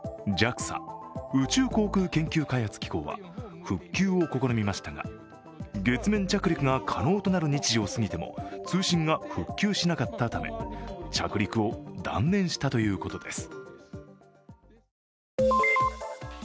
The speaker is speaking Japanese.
ＪＡＸＡ＝宇宙航空研究開発機構は復旧を試みましたが、月面着陸が可能となる日時を過ぎても通信が復旧しなかったため着陸を断念したということです。